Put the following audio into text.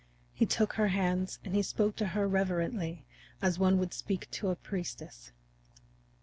He took her hand and he spoke to her reverently, as one would speak to a priestess.